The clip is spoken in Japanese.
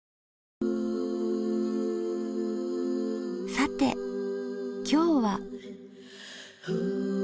さて今日は。